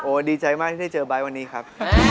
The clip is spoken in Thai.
ดีใจมากที่ได้เจอไบท์วันนี้ครับ